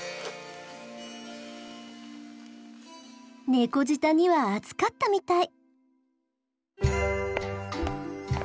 猫舌には熱かったみたい。